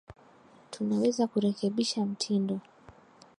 Tunaweza kurekebisha mtindo.